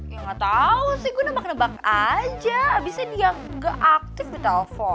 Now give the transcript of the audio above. ya gatau sih gue nebak nebak aja abisnya dia gak aktif di telfon